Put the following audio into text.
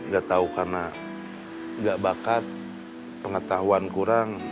gak tahu karena gak bakat pengetahuan kurang